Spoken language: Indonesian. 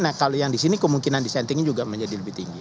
nah jadi kalau yang disini kemungkinan dissentingnya juga menjadi lebih tinggi